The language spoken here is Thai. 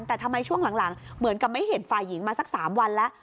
แต่ทำไมช่วงหลังเหมือนกับไม่เห็นฝ่ายหญิงมาสัก๓วันแล้ว